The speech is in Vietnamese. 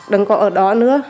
đừng có ở đó nữa